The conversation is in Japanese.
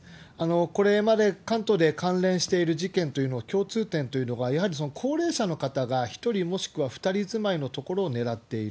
これまで関東で関連している事件というのの共通点というのが、やはり高齢者の方が１人、もしくは２人住まいの所を狙っている。